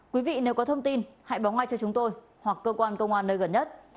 quý vị nếu có thông tin hãy báo ngay cho chúng tôi hoặc cơ quan công an nơi gần nhất